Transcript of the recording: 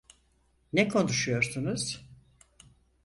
Ne konuşuyorsunuz?